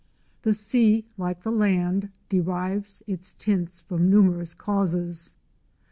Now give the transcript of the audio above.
The sea, like the land, derives its tints from numerous causes.